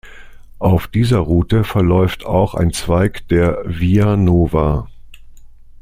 Auf dieser Route verläuft auch ein Zweig der "Via Nova".